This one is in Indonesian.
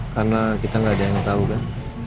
karena kita nggak ada yang tau kan